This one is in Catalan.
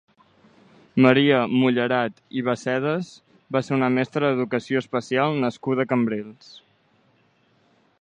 Maria Mullerat i Bassedas va ser una mestra d'educació especial nascuda a Cambrils.